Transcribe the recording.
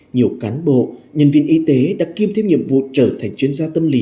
nhiều cán bộ nhân viên y tế đã kiêm thêm nhiệm vụ trở thành chuyên gia tâm lý